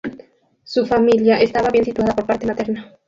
Su familia estaba bien situada por parte materna.